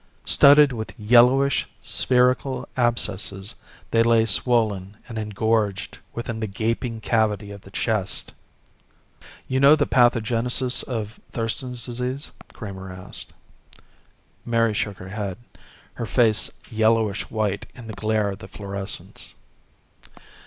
Studded with yellowish spherical abscesses they lay swollen and engorged within the gaping cavity of the chest. "You know the pathogenesis of Thurston's Disease?" Kramer asked. Mary shook her head, her face yellowish white in the glare of the fluorescents.